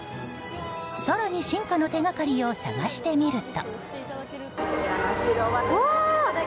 更に進化の手掛かりを探してみると。